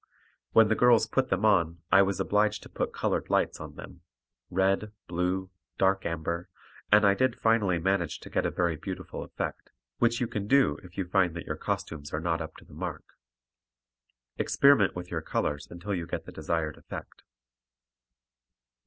When the girls put them on I was obliged to put colored lights on them, red, blue, dark amber, and I did finally manage to get a very beautiful effect, which you can do if you find that your costumes are not up to the mark. Experiment with your colors until you get the desired effect.